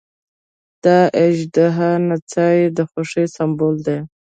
د اژدها نڅا یې د خوښۍ سمبول دی.